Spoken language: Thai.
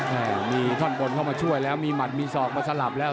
ใช่มีท่อนบนเข้ามาช่วยแล้วมีหัดมีศอกมาสลับแล้ว